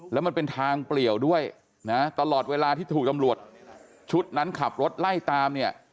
แล้วมันเป็นทางเปลี่ยวด้วยนะตลอดเวลาที่ถูกตำรวจชุดนั้นขับรถไล่ตามเนี่ย